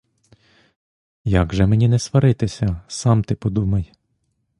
Як же мені не сваритися, сам ти подумай!